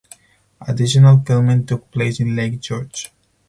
Additional filming took place in Lake George.